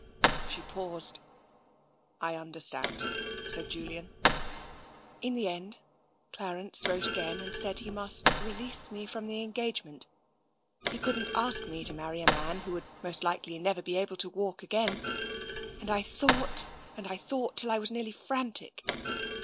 She paused. I understand," said Julian. In the end, Clarence wrote again, and said he must release me from the engagement; he couldn't ask me to marry a man who would most likely never be able to walk again. And I thought, and thought — till I was nearly frantic.